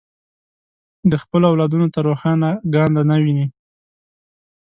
د خپلو اولادونو ته روښانه ګانده نه ویني.